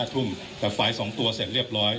คุณผู้ชมไปฟังผู้ว่ารัฐกาลจังหวัดเชียงรายแถลงตอนนี้ค่ะ